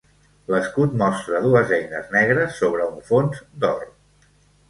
L'escut mostra dues eines negres sobre un fons d'or.